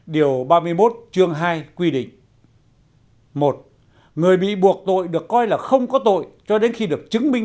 điều ba mươi một chương hai quy định một người bị buộc tội được coi là không có tội cho đến khi được chứng minh